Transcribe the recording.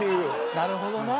なるほどな。